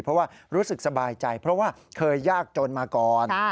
เพราะว่ารู้สึกสบายใจเพราะว่าเคยยากจนมาก่อน